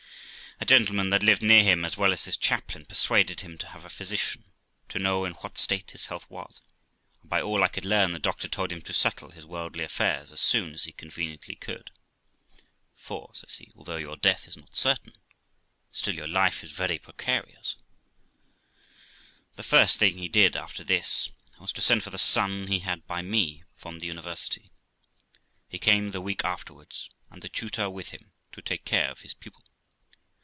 A gentleman that lived near him, as well as his chaplain, persuaded him to have a physician, to know in what state his health was; and by all I could learn, the doctor told him to settle his worldly affairs as soon as he conveniently could. 'For', says he, 'although your death is not certain, still your life is very precarious.' The first thing he did after this was to send for the son he had by me from the university. He came the week afterwards, and the tutor with him, to take care of his pupil.